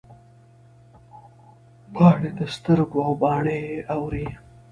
پاڼې د سترګو او باڼه یې اوري